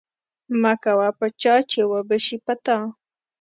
مکوه په چا چی وبه شی په تا